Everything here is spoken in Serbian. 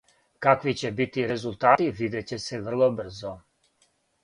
Какви ће бити резултати видеће се врло брзо.